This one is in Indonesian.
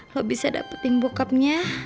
lo bisa dapetin bokapnya